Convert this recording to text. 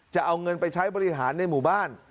จะเอาเงินไปใช้บริหารในหมู่บ้าน